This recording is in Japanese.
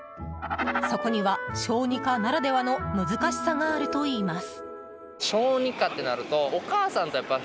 そこには、小児科ならではの難しさがあるといいます。